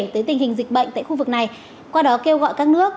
tới tình hình dịch bệnh tại khu vực này qua đó kêu gọi các nước